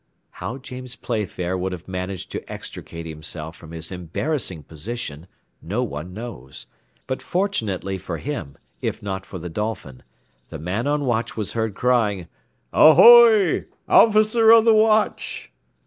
How James Playfair would have managed to extricate himself from his embarrassing position no one knows, but fortunately for him, if not for the Dolphin, the man on watch was heard crying: "Ahoy, officer of the watch!"